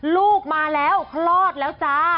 ลูกมาแล้วคลอดแล้วจ้า